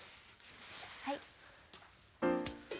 はい。